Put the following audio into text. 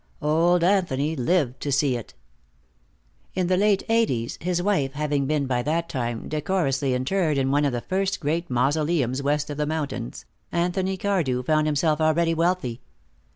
Old Anthony lived to see it. In the late eighties, his wife having been by that time decorously interred in one of the first great mausoleums west of the mountains, Anthony Cardew found himself already wealthy.